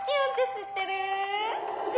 知ってる？